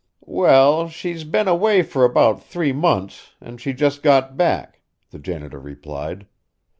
"Well, she's been away for about three months, and she just got back," the janitor replied.